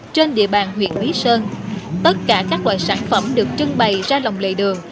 trên địa bàn huyện lý sơn tất cả các loại sản phẩm được trưng bày ra lòng lệ đường